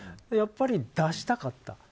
やっぱり、出したかった。